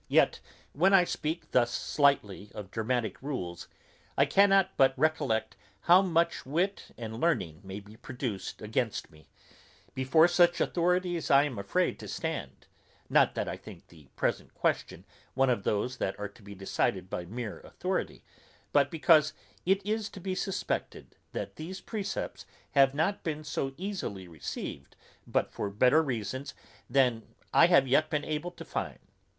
Yet when I speak thus slightly of dramatick rules, I cannot but recollect how much wit and learning may be produced against me; before such authorities I am afraid to stand, not that I think the present question one of those that are to be decided by mere authority, but because it is to be suspected, that these precepts have not been so easily received but for better reasons than I have yet been able to find.